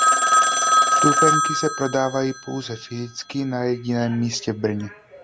Vstupenky se prodávaly pouze fyzicky na jediném místě v Brně.